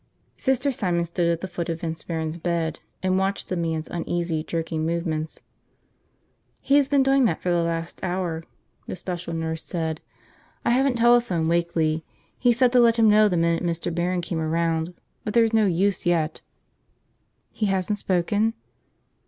Sister Simon stood at the foot of Vince Barron's bed and watched the man's uneasy, jerking movements. "He's been doing that for the last hour," the special nurse said. "I haven't telephoned Wakeley. He said to let him know the minute Mr. Barron came around, but there's no use yet." "He hasn't spoken?"